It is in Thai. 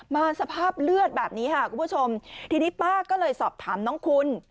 สภาพเลือดแบบนี้ค่ะคุณผู้ชมทีนี้ป้าก็เลยสอบถามน้องคุณ